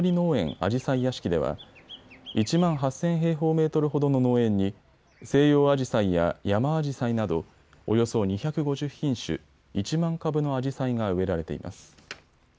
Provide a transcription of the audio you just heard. あじさい屋敷では１万８０００平方メートルほどの農園に西洋アジサイやヤマアジサイなどおよそ２５０品種、１万株のアジサイが植えられています。